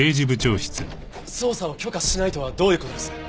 捜査を許可しないとはどういう事です？